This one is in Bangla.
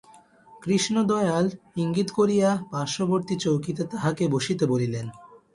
কৃষ্ণদয়াল ইঙ্গিত করিয়া পার্শ্ববর্তী চৌকিতে তাহাকে বসিতে বলিলেন।